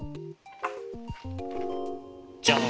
じゃん！